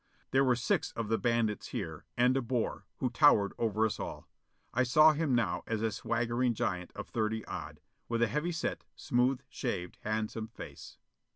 There were six of the bandits here, and De Boer, who towered over us all. I saw him now as a swaggering giant of thirty odd, with a heavy set smooth shaved, handsome face.